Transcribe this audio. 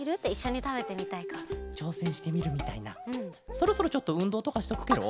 そろそろちょっとうんどうとかしとくケロ？